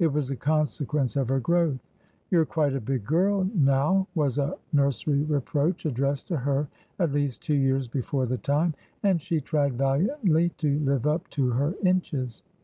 It was a consequence of her growth. "You're quite a big girl now," was a nursery reproach addressed to her at least two years before the time, and she tried valiantly to live up to her inches.